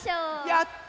やった！